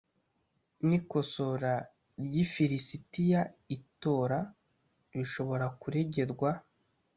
n ikosora ryifilisitiya itora bishobora kuregerwa